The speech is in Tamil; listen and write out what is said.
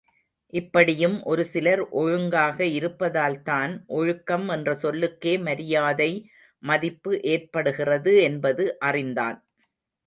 இப்படியும் ஒரு சிலர் ஒழுங்காக இருப்பதால்தான் ஒழுக்கம் என்ற சொல்லுக்கே மரியாதை மதிப்பு ஏற்படுகிறது என்பது அறிந்தான்.